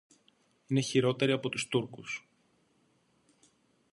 Είναι χειρότεροι από τους Τούρκους.